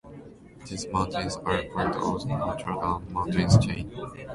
These mountains are part of the Notre Dame Mountains chain.